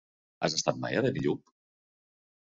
Has estat mai a Benillup?